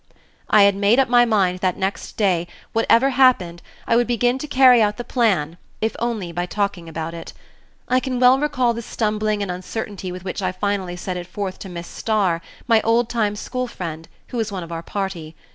I had made up my mind that next day, whatever happened, I would begin to carry out the plan, if only by talking about it. I can well recall the stumbling and uncertainty with which I finally set it forth to Miss Starr, my old time school friend, who was one of our party.